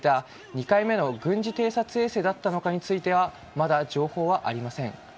２回目の軍事偵察衛星だったのかについてはまだ情報はありません。